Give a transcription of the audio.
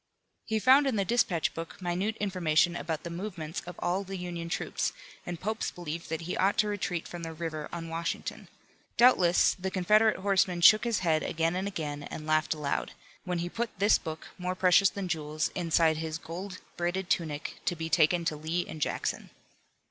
He found in the dispatch book minute information about the movements of all the Union troops, and Pope's belief that he ought to retreat from the river on Washington. Doubtless the Confederate horseman shook his head again and again and laughed aloud, when he put this book, more precious than jewels, inside his gold braided tunic, to be taken to Lee and Jackson.